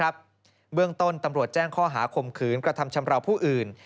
เบื้องต้นตำรวจแจ้งข้อหาข่มขืนกระทำชำราวผู้อื่น